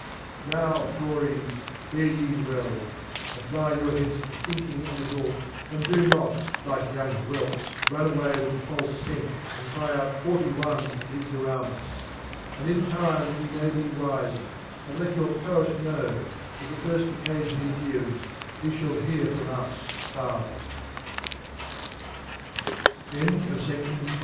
How, Tones, fare ye well; apply your heads to thinking a lit tle , and do not, like young Whelps, run away with afalfeScent, andcryout Forty One and Ignoramus ; and in time ye may be wifer ; and let your Poet know, that the fir ft occafion he gives, he fhall he